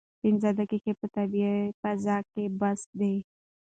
پنځه دقیقې په طبیعي فضا کې بس دي.